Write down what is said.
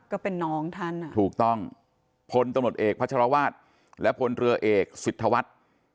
ก็เป็นน้องท่านอ่ะถูกต้องพลตำรวจเอกพัชรวาสและพลเรือเอกสิทธวัฒน์